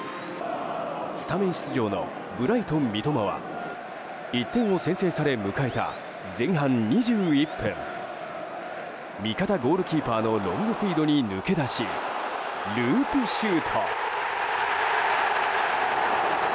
スタメン出場のブライトン、三笘は１点を先制され迎えた前半２１分味方ゴールキーパーのロングフィードに抜け出しループシュート！